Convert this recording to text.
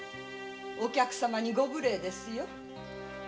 お客様にご無礼ですよ。